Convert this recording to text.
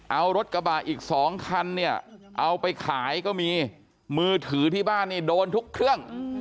เอารถกระบะอีก๒คันเนี่ยเอาไปขายก็มีมือถือที่บ้านนี่โดนทุกเครื่อง